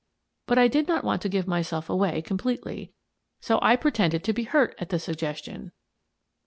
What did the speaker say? But I did not want to give myself away com pletely, so I pretended to be hurt at the sugges tion.